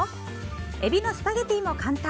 エビのスパゲティも簡単！